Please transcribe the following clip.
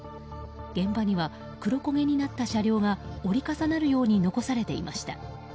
現場には黒こげになった車両が折り重なるように残されていました。